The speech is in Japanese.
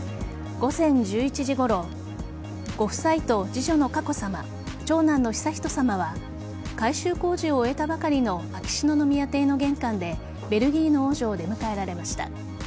午前１１時ごろご夫妻と次女の佳子さま長男の悠仁さまは改修工事を終えたばかりの秋篠宮邸の玄関でベルギーの王女を出迎えられました。